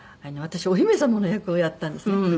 私お姫様の役をやったんですね。